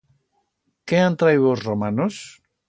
Qué han trayiu os romanos?